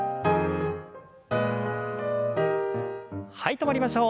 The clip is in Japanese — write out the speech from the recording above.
止まりましょう。